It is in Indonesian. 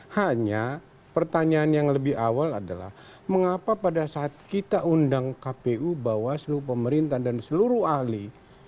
hanya pertanyaan yang lebih awal adalah mengapa pada saat kita undang kpu bawaslu pemerintah dan seluruh ahli